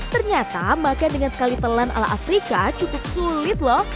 ternyata makan dengan sekali telan ala afrika cukup sulit loh